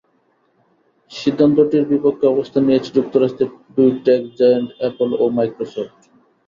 সিদ্ধান্তটির বিপক্ষে অবস্থান নিয়েছে যুক্তরাষ্ট্রের দুই টেক জায়ান্ট অ্যাপল ও মাইক্রোসফট।